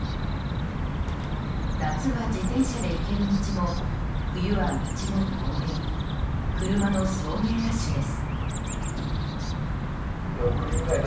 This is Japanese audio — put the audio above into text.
夏は自転車で行ける道も冬は道も凍り車の送迎ラッシュです。